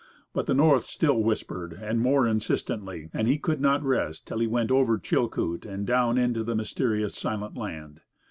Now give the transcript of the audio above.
But the North still whispered, and more insistently, and he could not rest till he went over Chilcoot, and down into the mysterious Silent Land.